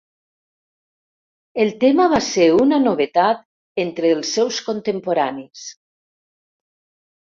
El tema va ser una novetat entre els seus contemporanis.